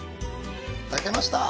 炊けました。